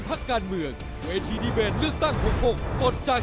ถ้าบอกว่าคุณแหม่นสุริภาจะเสียใจ